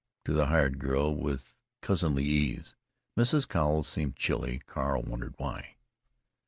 to the hired girl with cousinly ease. Mrs. Cowles seemed chilly. Carl wondered why.